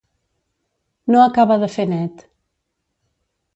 No acaba de fer net.